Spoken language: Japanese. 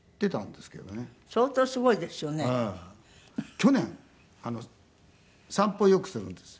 去年散歩よくするんですよ。